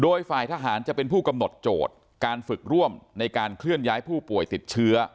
โดยฝ่ายทหารจะเป็นผู้กำหนดโจทย์การฝึกร่วมในการเคลื่อนย้ายผู้ป่วยติดเชื้อ